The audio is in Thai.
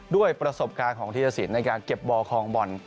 ด้วยประสบการณ์ของธีรสินในการเก็บบอลคลองบอล